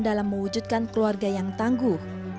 dalam mewujudkan keluarga yang tangguh